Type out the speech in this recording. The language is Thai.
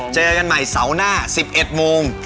เจอกันใหม่เสาร์หน้า๑๑โมง